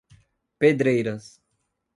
Pedreiras